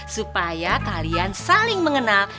supaya kalian saling mengenal